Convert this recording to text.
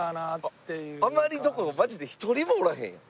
あまりどころかマジで一人もおらへんやん。